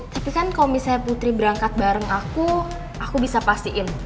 tapi kan kalau misalnya putri berangkat bareng aku aku bisa pastiin